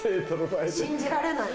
信じられないわ。